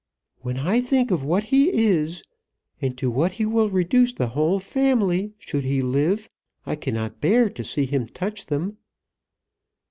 "When I think of what he is, and to what he will reduce the whole family should he live, I cannot bear to see him touch them.